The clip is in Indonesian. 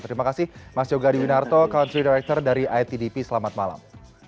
terima kasih mas yogadiwinarto country director dari itdp selamat malam